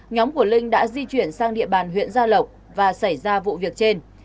nhóm của linh đã di chuyển sang địa bàn huyện gia lộc và xảy ra vụ việc trên